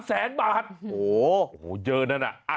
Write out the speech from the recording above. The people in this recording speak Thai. ๓แสนบาทโหเยอะนั่นอ่ะ